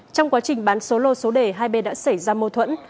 trong quá trình bán số lô số đề hai bên đã xảy ra mâu thuẫn